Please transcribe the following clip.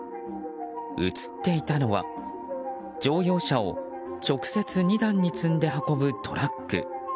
映っていたのは、乗用車を直接２段に積んで運ぶトラック。